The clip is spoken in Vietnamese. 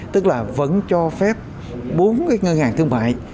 tức là vẫn cho phép bốn cái ngân hàng thương mại